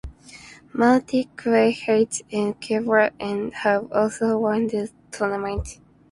Martinique, Haiti and Cuba have also won the tournament.